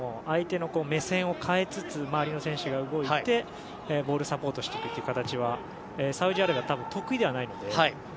相手の目線を変えつつ周りの選手が動いてボールサポートをしていくという形はサウジアラビアは多分、得意ではないので。